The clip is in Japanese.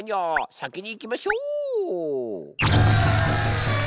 先にいきましょう。